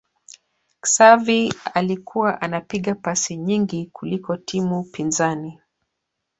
Xavi alikuwa anapiga pasi nyingi kuliko timu pinzani